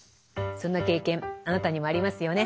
そんな経験あなたにもありますよね。